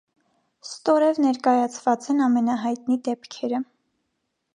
Ստորև ներկայացված են ամենահայտնի դեպքերը։